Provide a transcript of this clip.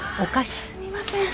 ああすみません。